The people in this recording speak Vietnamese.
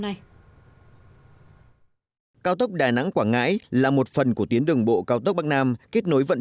nay cao tốc đà nẵng quảng ngãi là một phần của tuyến đường bộ cao tốc bắc nam kết nối vận